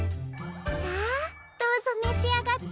さあどうぞめしあがって。